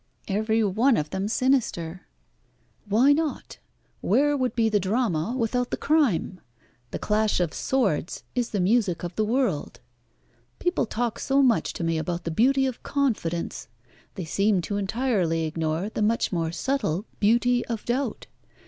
"Every one of them sinister." "Why not? Where would be the drama without the crime? The clash of swords is the music of the world. People talk so much to me about the beauty of confidence. They seem to entirely ignore the much more subtle beauty of doubt.